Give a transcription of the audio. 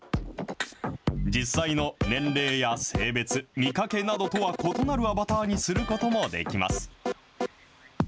実際の年齢や性別、見かけなどとは異なるアバターにすることもできます。